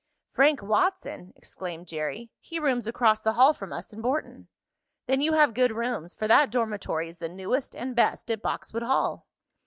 "Frank Watson!" exclaimed Jerry. "He rooms across the hall from us in Borton." "Then you have good rooms, for that dormitory is the newest and best at Boxwood Hall."